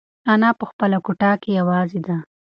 انا په خپله کوټه کې یوازې ده.